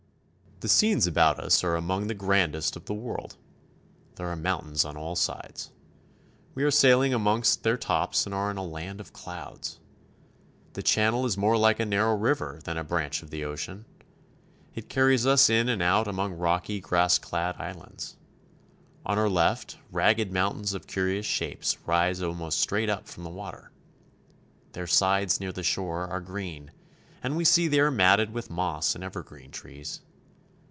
The scenes about us are among the grandest of the world. There are mountains on all sides. We are sail ing amongst their tops and are in a land of clouds. The channel is more like a narrow river than a branch of the ocean. It carries us in and out among rocky, grass clad islands. On our left, ragged mountains of curious shapes rise almost straight up from the water. Their sides near the shore are green, and we see they are matted with moss and evergreen trees.